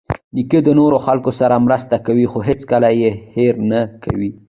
نیکه د نورو خلکو سره مرسته کوي، خو هیڅکله یې هېر نه کوي.